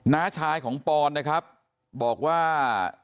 น้าชายของปอนนะครับบอกว่า